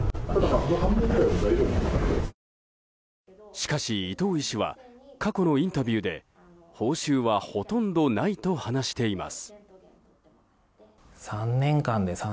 しかし、伊藤医師は過去のインタビューで報酬は、ほとんどないと話しています。